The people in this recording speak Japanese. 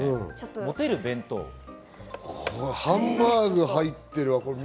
ハンバーグ入ってるわ。